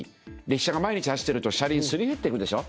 列車が毎日走ってると車輪すり減っていくでしょ。